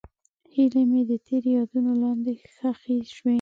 هیلې مې د تېر یادونو لاندې ښخې شوې.